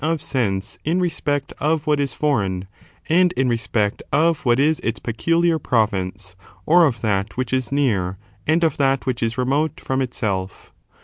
of sense in respect of what is foreign, and in respect of what is its peculiar province, or of that which is near and of that which is remote from itself.